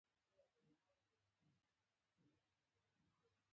په دې موادو کې کانونه او اوسپنه شامل دي.